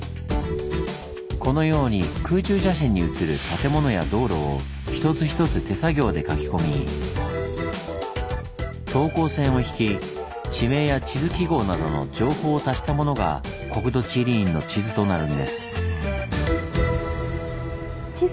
このように空中写真に写る建物や道路を一つ一つ手作業で描き込み等高線を引き地名や地図記号などの情報を足したものが国土地理院の地図となるんです。